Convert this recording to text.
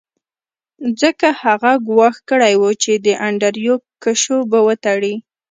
ځکه هغه ګواښ کړی و چې د انډریو کشو به وتړي